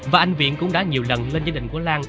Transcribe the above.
và anh viện cũng đã nhiều lần lên gia đình của lan